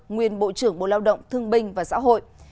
nguyên bộ trưởng bộ lao động thương binh và xã hội